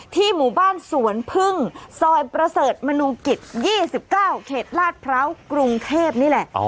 หมู่บ้านสวนพึ่งซอยประเสริฐมนุกิจ๒๙เขตลาดพร้าวกรุงเทพนี่แหละ